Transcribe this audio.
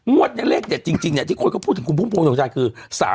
มวดนี้เลขจริงเนี่ยที่คนเขาพูดถึงคุณพุทธโภคศักดิ์คือ